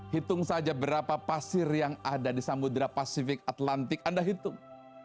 hitung saja berapa pasir yang ada di samudera pasifik atlantik anda hitung